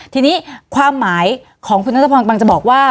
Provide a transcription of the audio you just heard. ทีนี้ความหมายของคุณนัทพรกำลังจะบอกว่า